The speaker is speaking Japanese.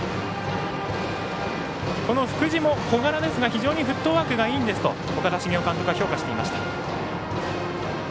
福地も小柄ですが非常にフットワークがいいんですと岡田茂雄監督は評価していました。